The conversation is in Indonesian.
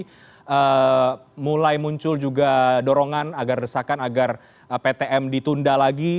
jadi mulai muncul juga dorongan agar resahkan agar ptm ditunda lagi